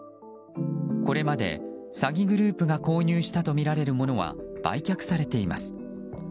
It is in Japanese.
これまで詐欺グループが購入したとみられるものは売却されています。